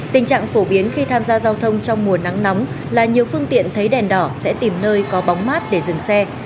tình trạng phổ biến khi tham gia giao thông trong mùa nắng nóng là nhiều phương tiện thấy đèn đỏ sẽ tìm nơi có bóng mát để dừng xe